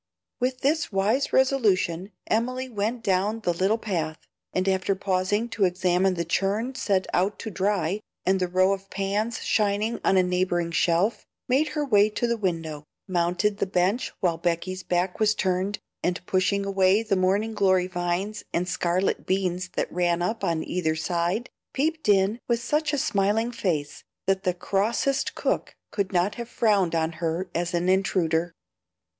With this wise resolution Emily went down the little path, and after pausing to examine the churn set out to dry, and the row of pans shining on a neighboring shelf, made her way to the window, mounted the bench while Becky's back was turned, and pushing away the morning glory vines and scarlet beans that ran up on either side peeped in with such a smiling face that the crossest cook could not have frowned on her as an intruder.